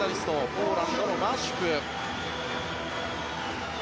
ポーランドのマシュク。